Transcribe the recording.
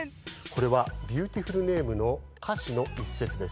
これは「ビューティフル・ネーム」のかしのいっせつです。